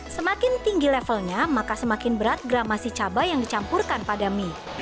semakin tinggi levelnya maka semakin berat gramasi cabai yang dicampurkan pada mie